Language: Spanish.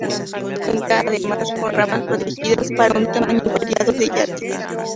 El club cuenta además con amarras protegidas para un tamaño variado de yates.